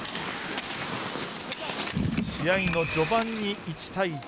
試合の序盤に１対１。